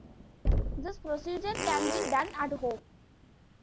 This procedure can be done at home.